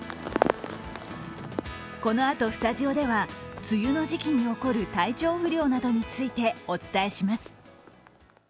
このあとスタジオでは、梅雨の時期に起こる体調不良などについてお伝えします。